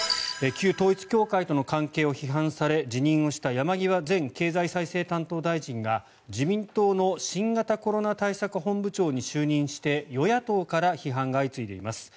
旧統一教会との関係を批判され辞任をした山際前経済再生担当大臣が自民党の新型コロナ対策本部長に就任して与野党から批判が相次いでいます。